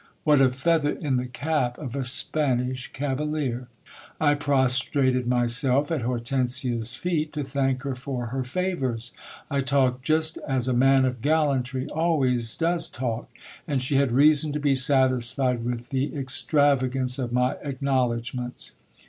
What a feather in the cap of a Spanish cavalier ! I pros trated myself at Hortensia's feet, to thank her for her favours. I talked just as a rran of gallantry always does talk, and she had reason to be satisfied with the extravagance of my acknowledgments.